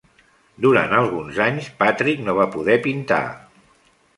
Durant alguns anys Patrick no va poder pintar.